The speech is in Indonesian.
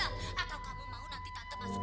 atau kamu mau nanti tante masukin ke penjara anak anak